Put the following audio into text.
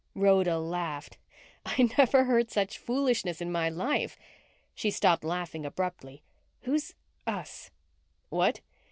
Rhoda laughed. "I never heard such foolishness in my life." She stopped laughing abruptly. "Who's us?" "What?"